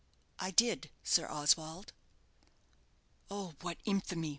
"I did, Sir Oswald." "Oh, what infamy!"